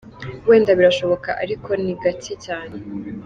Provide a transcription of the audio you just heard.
Wenda birashoboka ariko ni gake cyane.